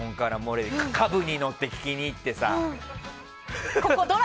カブに乗って聴きに行ってさ。